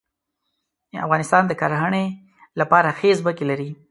افغانستان د کرهڼې لپاره ښې ځمکې لري.